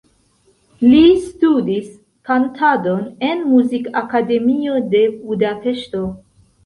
Li studis kantadon en Muzikakademio de Budapeŝto.